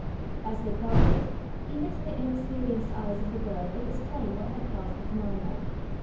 As they crossed it, even to the inexperienced eyes of the girl it was plain what had caused the phenomenon.